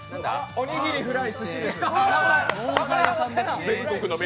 おにぎり、フライ、寿司です。